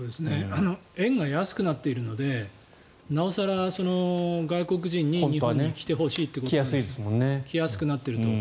円が安くなっているのでなお更外国人に日本に来てほしい。来やすくなっていると。